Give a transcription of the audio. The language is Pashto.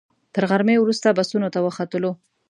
تر غرمې وروسته بسونو ته وختلو.